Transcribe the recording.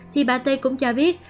thì bà tê cũng cho biết